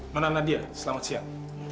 nona nadia selamat siang